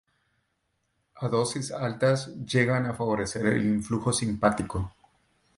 A dosis altas, llegan a favorecer el influjo simpático.